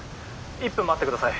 １分待ってください。